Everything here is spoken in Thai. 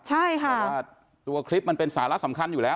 ใช่ค่ะเพราะว่าตัวคลิปมันเป็นสาระสำคัญอยู่แล้ว